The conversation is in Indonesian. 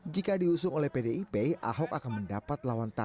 jika diusung oleh pdip ahok akan mendapat lawan yang lebih baik